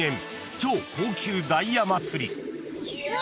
超高級ダイヤ祭り］うわ。